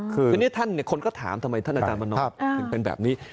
คือทีนี้ท่านคนก็ถามทำไมท่านอาจารย์มนพถึงเป็นแบบนี้